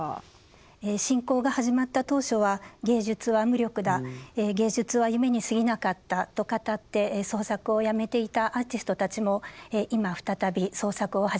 侵攻が始まった当初は芸術は無力だ芸術は夢にすぎなかったと語って創作をやめていたアーティストたちも今再び創作を始めている状況です。